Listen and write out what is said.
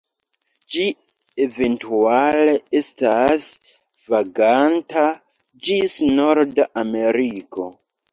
Ĝi eventuale estas vaganta ĝis Norda Ameriko.